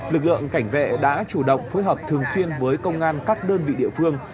lực lượng cảnh vệ đã chủ động phối hợp thường xuyên với công an các đơn vị địa phương